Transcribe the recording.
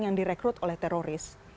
yang direkrut oleh teroris